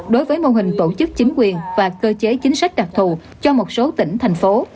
đối với mô hình tổ chức chính quyền và cơ chế chính sách đặc thù cho một số tỉnh thành phố